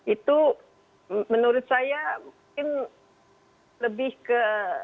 itu menurut saya mungkin lebih ke